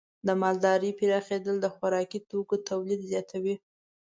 د مالدارۍ پراخېدل د خوراکي توکو تولید زیاتوي.